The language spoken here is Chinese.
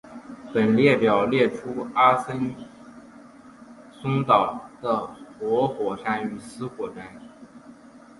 本列表列出阿森松岛的活火山与死火山。